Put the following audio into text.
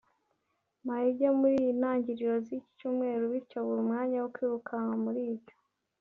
Mayuge mu ntangiriro z’iki cyumweru bityo abura umwanya wo kwirukanka muri ibyo